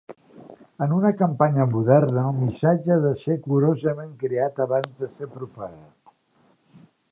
En una campanya moderna, el missatge ha de ser curosament creat abans de ser propagat.